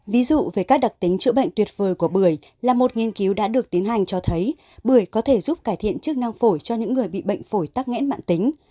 ví dụ về các đặc tính chữa bệnh tuyệt vời của bưởi là một nghiên cứu đã được tiến hành cho thấy bưởi có thể giúp cải thiện chức năng phổi cho những người bị bệnh phổi tắc nghẽn mạng tính